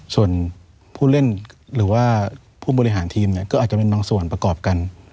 ส่วนผู้เล่นหรือว่าผู้บริหารทีมเนี่ยก็อาจจะเป็นบางส่วนประกอบกัน